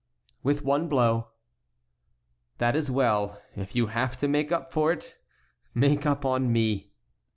"With one blow." "That is well. If you have to make up for it, make up on me."